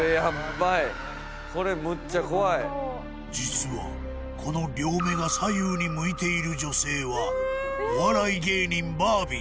何この顔実はこの両目が左右に向いている女性はお笑い芸人バービー